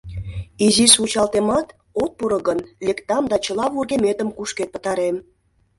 — Изиш вучалтемат, от пуро гын, лектам да чыла вургеметым кушкед пытарем.